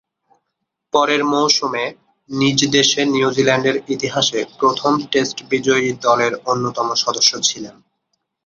পরের মৌসুমে নিজ দেশে নিউজিল্যান্ডের ইতিহাসের প্রথম টেস্ট বিজয়ী দলের অন্যতম সদস্য ছিলেন।